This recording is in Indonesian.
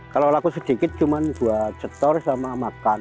kalau laku sedikit cuma buat setor sama makan